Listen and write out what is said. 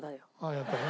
やっぱりね。